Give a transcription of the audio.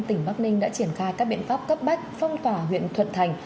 tỉnh bắc ninh đã triển khai các biện pháp cấp bách phong tỏa huyện thuận thành